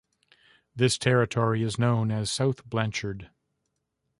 This territory is known as South Blanchard.